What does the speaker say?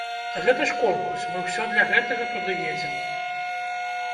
Гэта ж конкурс, мы ўсё для гэтага туды едзем.